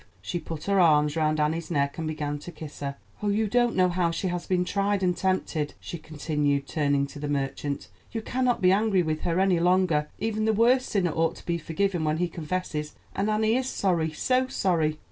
She put her arms round Annie's neck and began to kiss her. "Oh, you don't know how she has been tried and tempted," she continued, turning to the merchant. "You cannot be angry with her any longer. Even the worst sinner ought to be forgiven when he confesses; and Annie is sorry, so sorry."